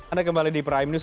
anda kembali di prime news